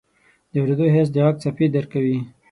د اورېدو حس د غږ څپې درک کوي.